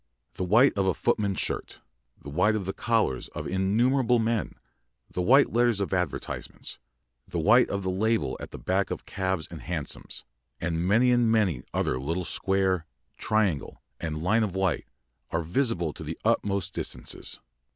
The white of a footman's shirt, the white of the collars of innumerable men, the white letters of advertisements, the white of the label at the back of cabs and hansoms, and many and many another little square, triangle, and line of white, are visible to the utmost distances.